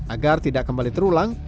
agar tidak kembali terulang